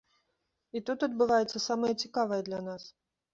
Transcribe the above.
І тут адбываецца самае цікавае для нас.